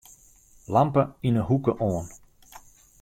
Lampe yn 'e hoeke oan.